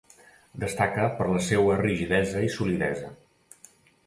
Destaca per la seua rigidesa i solidesa.